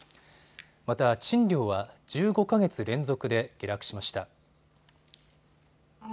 また賃料は１５か月連続で下落しました。